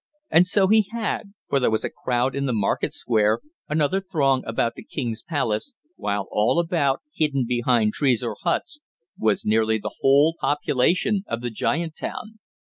And so he had, for there was a crowd in the market square, another throng about the king's palace, while all about, hidden behind trees or huts, was nearly the whole population of the giant town.